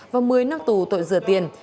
và một mươi năm tù tội rửa tiền